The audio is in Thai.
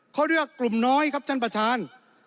เขาเลือกกลุ่มน้อยครับท่านประธาน